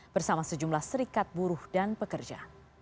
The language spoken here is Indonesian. bersama sejumlah serikat buruh dan pekerja